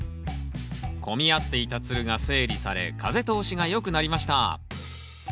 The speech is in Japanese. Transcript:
混み合っていたつるが整理され風通しが良くなりました。